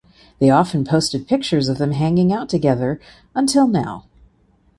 They often posted pictures of them hanging out together until now.